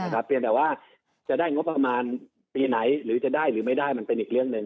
เพียงแต่ว่าจะได้งบประมาณปีไหนหรือจะได้หรือไม่ได้มันเป็นอีกเรื่องหนึ่ง